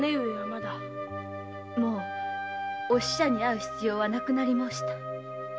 もう御使者に会う必要はなくなり申した。